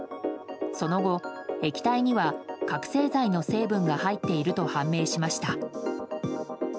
その後、液体には覚醒剤の成分が入っていると判明しました。